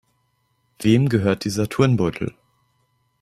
Wem gehört dieser Turnbeutel?